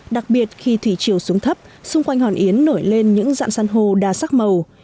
đặc biệt khi thủy chiều xuống thấp xung quanh hòn yến nổi lên những dạng san hô đa sắc màu